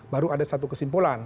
baru ada satu kesimpulan